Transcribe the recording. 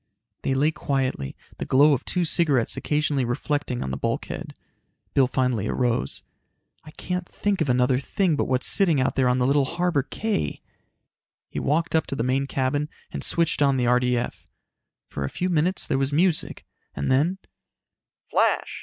They lay quietly, the glow of two cigarettes occasionally reflecting on the bulkhead. Bill finally arose. "I can't think of another thing but what's sitting out there on Little Harbor Cay!" He walked up to the main cabin and switched on the RDF. For a few minutes there was music, and then: "Flash!